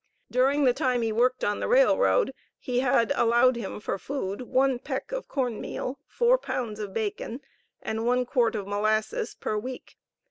During the time he worked on the railroad he had allowed him for food, one peck of corn meal, four pounds of bacon, and one quart of molasses per week.